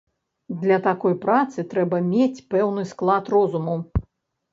Для такой працы трэба мець пэўны склад розуму.